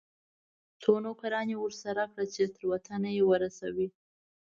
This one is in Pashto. څو نوکران یې ورسره کړه چې تر وطنه یې ورسوي.